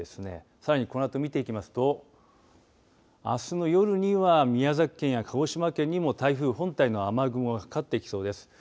さらに、このあと見ていきますとあすの夜には宮崎県や鹿児島県にも台風本体の雨雲がかかってきそうです。